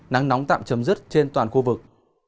nắng nóng tạm chấm dứt trên toàn khu vực